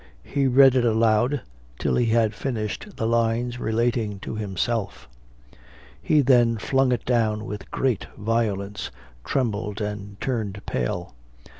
He read it aloud, till he had finished the lines relating to himself. He then flung it down with great violence, trembled and turned pale.